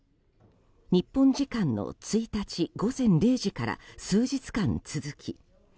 日本時間の１日午前０時から数日間続き